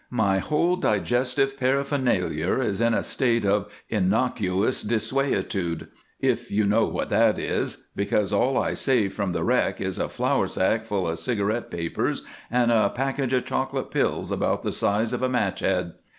My whole digestive paraphernalia is in a state of innocuous desuetude, if you know what that is, because all I save from the wreck is a flour sack full of cigarette papers and a package of chocolate pills about the size of a match head.